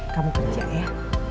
kamu kerja ya